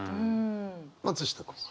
松下君は？